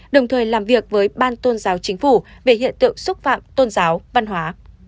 đồng thời làm việc với ban tôn giáo chính phủ về hiện tượng xúc phạm tôn giáo văn hóa